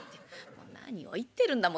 「何を言ってるんだ。